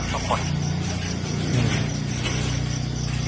รสจ